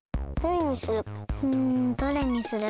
どれにする？